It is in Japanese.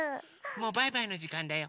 もうバイバイのじかんだよ。